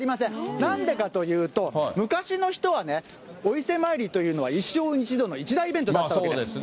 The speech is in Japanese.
なんでかというと、昔の人はね、お伊勢参りというのは一生に一度の一大イベントだったんですね。